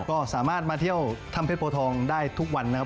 ก็สามารถมาเที่ยวถ้ำเพชรโพทองได้ทุกวันนะครับ